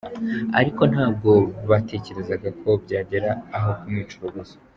Ariko ntabwo batekerezaga ko byagera aho kumwica urubozo.